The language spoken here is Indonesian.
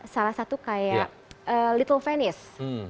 salah satu kayak little venice